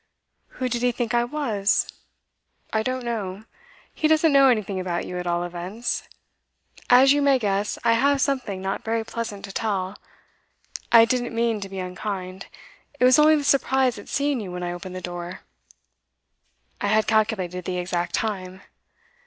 'Who did he think I was?' 'I don't know. He doesn't know anything about you, at all events. As you may guess, I have something not very pleasant to tell. I didn't mean to be unkind; it was only the surprise at seeing you when I opened the door. I had calculated the exact time.